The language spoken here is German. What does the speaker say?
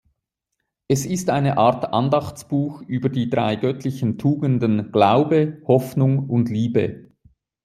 Es ist eine Art Andachtsbuch über die drei göttlichen Tugenden Glaube, Hoffnung und Liebe.